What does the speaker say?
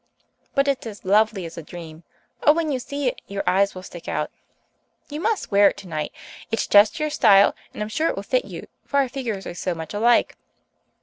But it's as lovely as a dream. Oh, when you see it your eyes will stick out. You must wear it tonight. It's just your style, and I'm sure it will fit you, for our figures are so much alike."